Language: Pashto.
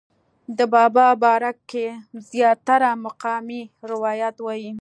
د بابا باره کښې زيات تره مقامي روايات وائي